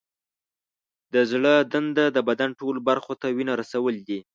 د زړه دنده د بدن ټولو برخو ته وینه رسول دي.